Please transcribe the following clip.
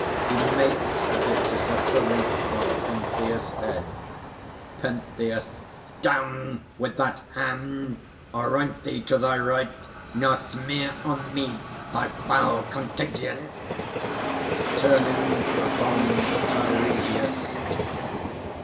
[He makes as if to set the wreath on PENTHEUS' head. PENTHEUS. Down with that hand! Aroint thee to thy rite, Nor smear on me thy foul contagion! [Turning upon TEIRESIAS.